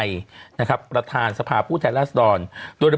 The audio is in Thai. ล่าสุด